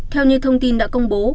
theo như thông tin đã công bố